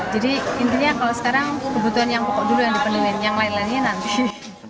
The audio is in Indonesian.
jadi intinya kalau sekarang kebutuhan yang pokok dulu yang dipenuhi yang lain lainnya nanti